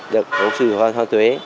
được hỗ trợ thuế